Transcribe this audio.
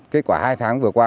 kết quả hai tháng vừa qua